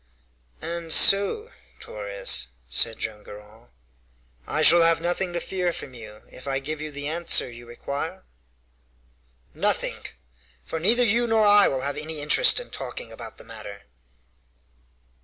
'" "And so, Torres," said Joam Garral, "I shall have nothing to fear from you if I give the answer you require?" "Nothing, for neither you nor I will have any interest in talking about the matter."